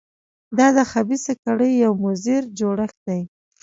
دا د خبیثه کړۍ یو مضر جوړښت دی.